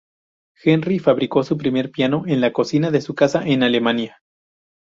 Henry fabricó su primer piano en la cocina de su casa en Alemania.